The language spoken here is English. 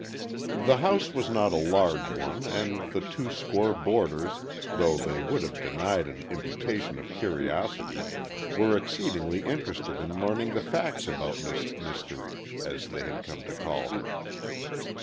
The house was not a large one, and the two score boarders, though they would have denied an imputation of curiosity, were exceedingly interested in learning the facts about Miss Mystery, as they had come to call her.